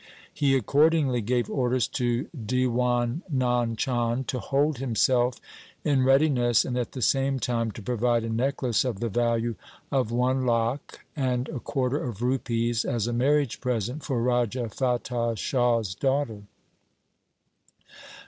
He accordingly gave orders to Diwan Nand Chand to hold himself in readiness and at the same time to provide a necklace of the value of one lakh and a quarter of rupees as a marriage present for Raja Fatah Shah's daughter.